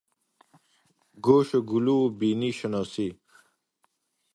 گوش و گلو و بینی شناسی